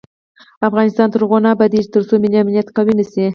افغانستان تر هغو نه ابادیږي، ترڅو ملي امنیت قوي نشي.